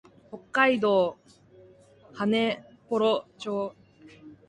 北海道羽幌町